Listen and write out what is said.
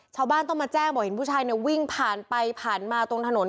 ชาวบ้านต้องมาแจ้งบอกเห็นผู้ชายเนี่ยวิ่งผ่านไปผ่านมาตรงถนน